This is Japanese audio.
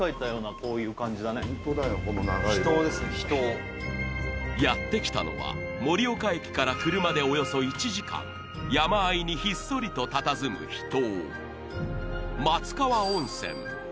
この長い廊下やってきたのは盛岡駅から車でおよそ１時間山あいにひっそりとたたずむ秘湯